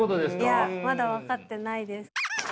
いやまだ分かってないです。